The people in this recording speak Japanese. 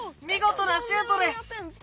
みごとなシュートです。